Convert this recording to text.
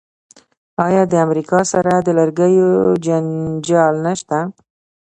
آیا د امریکا سره د لرګیو جنجال نشته؟